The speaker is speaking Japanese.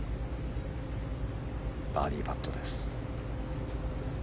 バーディーパットです。